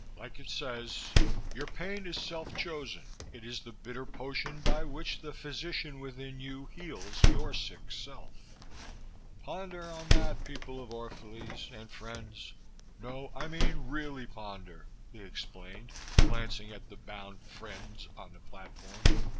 Like it says, 'Your pain is self chosen. It is the bitter potion by which the physician within you heals your sick self.' Ponder on that, people of Orphalese and friends. No, I mean really ponder," he explained, glancing at the bound "friends" on the platform.